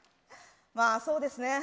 まあそうですね